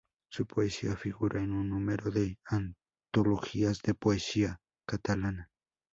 Su poesía figura en un número de antologías de poesía catalana.